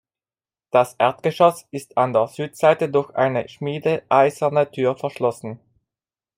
Das Erdgeschoss ist an der Südseite durch eine schmiedeeiserne Tür verschlossen.